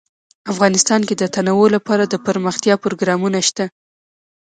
افغانستان کې د تنوع لپاره دپرمختیا پروګرامونه شته.